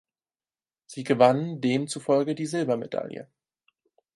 Sie gewannen demzufolge die Silbermedaille.